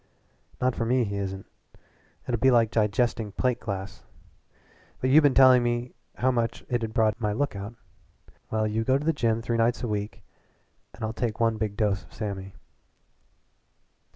"Not for me he isn't. It'll be like digesting plate glass. But you been telling me how much it'd broaden my lookout. Well, you go to a gym three nights a week and I'll take one big dose of Sammy."